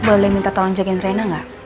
boleh minta tolong jagain trennya enggak